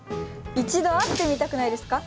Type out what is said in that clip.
一度会ってみたくないですか？